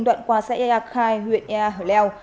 đoạn qua xe ea khai huyện ea hở leo